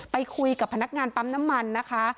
ไปคุยกับพนักงานปั๊มน้ำมันนะคะ